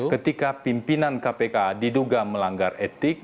ketika pimpinan kpk diduga melanggar etik